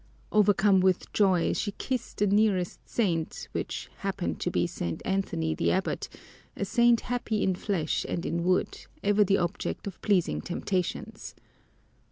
Overcome with joy, she kissed the nearest saint, which happened to be St. Anthony the Abbot, a saint happy in flesh and in wood, ever the object of pleasing temptations!